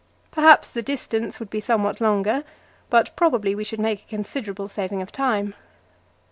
Perhaps the distance would be somewhat longer, but probably we should make a considerable saving of time.